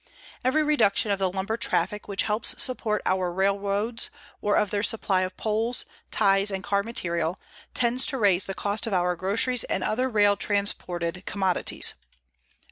Every reduction of the lumber traffic which helps support our railroads, or of their supply of poles, ties and car material, tends to raise the cost of our groceries and other rail transported commodities.